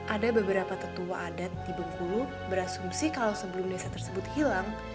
ada beberapa tetua adat di bengkulu berasumsi kalau sebelum desa tersebut hilang